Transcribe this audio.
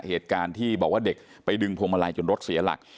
เหตุการณ์ที่บอกว่าเด็กไปดึงพวงมาลัยจนรถเสียหลัก